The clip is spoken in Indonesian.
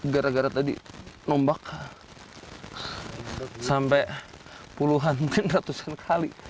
gara gara tadi nombak sampai puluhan mungkin ratusan kali